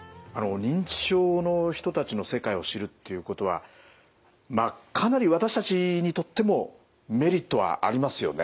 認知症の人たちの世界を知るっていうことはまあかなり私たちにとってもメリットはありますよね？